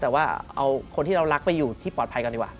แต่ว่าเอาคนที่เรารักไปอยู่ที่ปลอดภัยกันดีกว่า